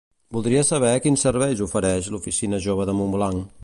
Voldria saber quins serveis ofereix l'oficina jove de Montblanc.